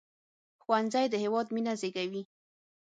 ښوونځی د هیواد مينه زیږوي